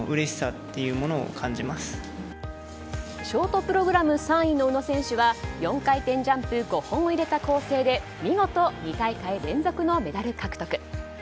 ショートプログラム３位の宇野選手は４回転ジャンプ５本を入れた構成で見事２大会連続のメダル獲得。